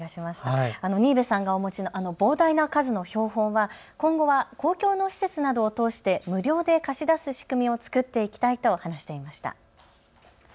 新部さんがお持ちのあの膨大な数の標本は今後は公共の施設などを通して無料で貸し出す仕組みを作っていきたいと話していました。